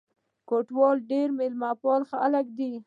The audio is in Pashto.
کوټوال ډېر مېلمه پال خلک دي.